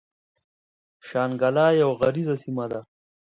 شانګله يوه غريزه سيمه ده ـ